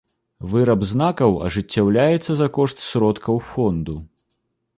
Выраб знакаў ажыццяўляецца за кошт сродкаў фонду.